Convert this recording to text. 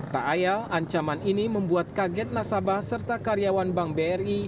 tak ayal ancaman ini membuat kaget nasabah serta karyawan bank bri